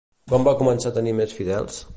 Quan va començar a tenir més fidels?